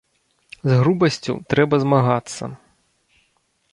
З грубасцю трэба змагацца.